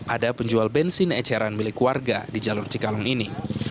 ada penjual bensin eceran milik warga di jalur cikalong ini